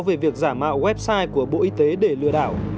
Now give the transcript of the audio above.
về việc giả mạo website của bộ y tế để lừa đảo